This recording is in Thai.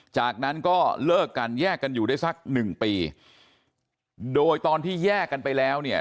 จากนั้นก็เลิกกันแยกกันอยู่ได้สักหนึ่งปีโดยตอนที่แยกกันไปแล้วเนี่ย